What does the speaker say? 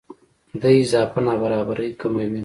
دې اضافه نابرابرۍ کموي.